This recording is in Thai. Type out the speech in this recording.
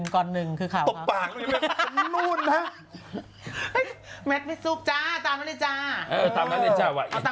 ก่อนหนึ่งคือขาวขาวตบปากนู๊นนะ